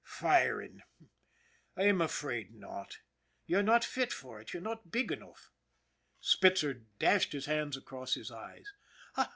"Firing? I'm afraid not. You're not fit for it. You're not big enough." Spitzer dashed his hands across his eyes.